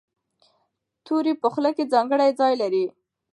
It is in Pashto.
توری په خوله کې ځانګړی ځای لري.